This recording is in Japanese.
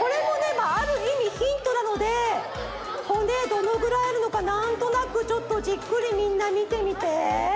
まああるいみヒントなので骨どのぐらいあるのかなんとなくちょっとじっくりみんなみてみて。